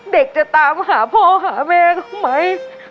เด็กจะตามหาพ่อหาแม่เขาไหม